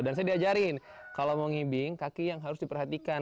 dan saya diajarin kalau mau ngibing kaki yang harus diperhatikan